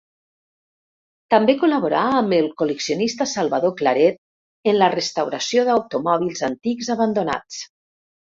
També col·laborà amb el col·leccionista Salvador Claret en la restauració d'automòbils antics abandonats.